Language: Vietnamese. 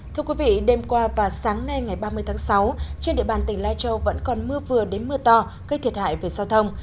thưa quý vị đêm qua và sáng nay ngày ba mươi tháng sáu trên địa bàn tỉnh lai châu vẫn còn mưa vừa đến mưa to gây thiệt hại về giao thông